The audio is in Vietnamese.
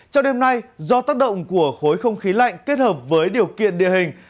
trong đêm nay do tác động của khối không khí lạnh kết hợp với điều kiện địa hình